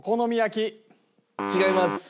違います。